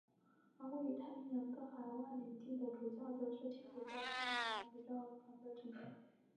而位于太平洋的海外领地的主教们则是天主教太平洋主教团的成员。